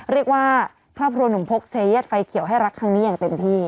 เรียกว่าพระบรวมหนุ่มพกษ์เสียเย็ดไฟเขียวให้รักข้างนี้อย่างเต็มที่